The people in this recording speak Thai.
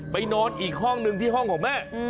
นอนอีกห้องหนึ่งที่ห้องของแม่